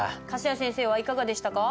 粕谷先生はいかがでしたか？